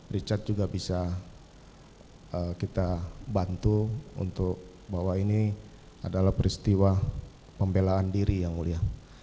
richard juga bisa kita bantu untuk bahwa ini adalah peristiwa pembelaan diri yang mulia